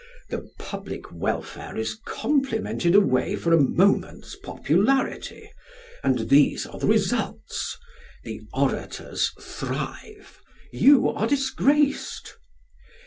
the public welfare is complimented away for a moment's popularity, and these are the results; the orators thrive, you are disgraced....